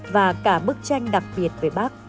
và cả bức tranh đặc biệt về bác